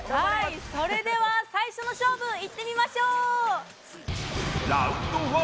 それでは、最初の勝負いってみましょう！